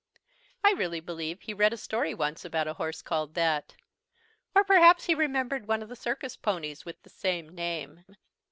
I really believe he read a story once about a horse called that. Or perhaps he remembered one of the circus ponies with the same name.